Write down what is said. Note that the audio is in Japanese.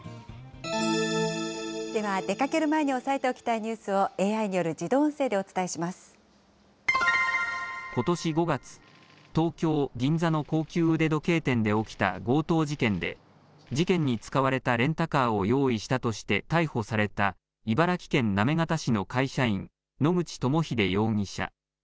では、出かける前に押さえておきたいニュースをＡＩによる自ことし５月、東京・銀座の高級腕時計店で起きた強盗事件で、事件に使われたレンタカーを用意したとして逮捕された茨城県行方市の会社員、野口朋秀容疑者。